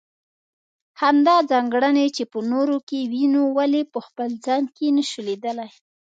همدا ځانګړنې چې په نورو کې وينو ولې په خپل ځان کې نشو ليدلی.